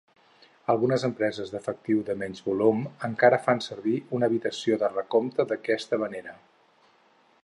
Algunes empreses d'efectiu de menys volum encara fan servir una habitació de recompte d"aquesta manera.